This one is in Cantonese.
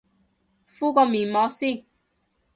敷個面膜先